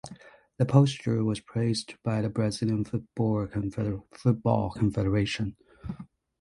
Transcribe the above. The posture was praised by the Brazilian Football Confederation.